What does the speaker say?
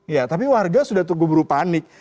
ya tapi warga sudah tunggu beru panik